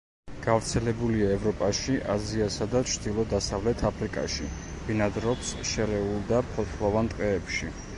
გავრცელებულია ევროპაში, აზიასა და ჩრდილო-დასავლეთ აფრიკაში, ბინადრობს შერეულ და ფოთლოვან ტყეებში.